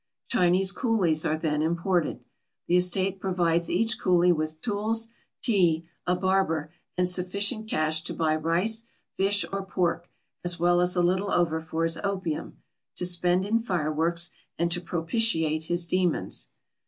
Chinese coolies are then imported. The estate provides each coolie with tools, tea, a barber, and sufficient cash to buy rice, fish, or pork, as well as a little over for his opium, to spend in fireworks, and to propitiate his demons.